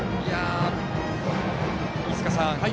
飯塚さん